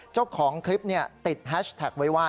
เจ้าของคลิปติดแฮชแท็กไว้ว่า